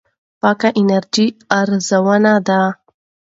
پاکه انرژي ارزان ده.